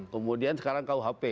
kemudian sekarang rkuhp